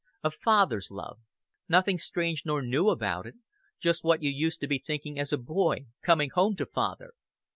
A Father's love. Nothing strange nor new about it. Just what you used to be thinking as a boy, coming home to Father."